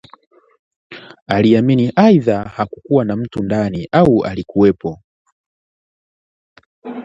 Aliamini aidha hakukuwa na mtu ndani au alikuwapo